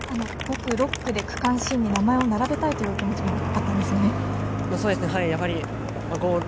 ５区、６区で区間新に名前を並べたい気持ちがそうですね。